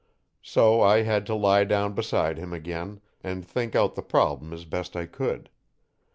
So I had to lie down beside him again and think out the problem as best I could.